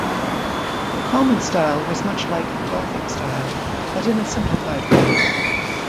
The common style was much like the gothic style, but in a simplified way.